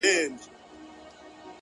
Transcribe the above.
هره ناکامي د راتلونکې لارښوونه ده